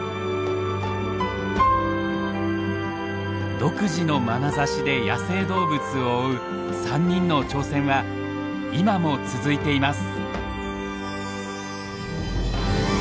独自のまなざしで野生動物を追う３人の挑戦は今も続いています。